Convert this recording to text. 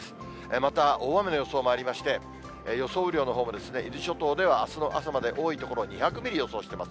また、大雨の予想もありまして、予想雨量のほうも伊豆諸島ではあすの朝まで、多い所、２００ミリ予想しています。